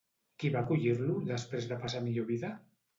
Qui va acollir-lo després de passar a millor vida?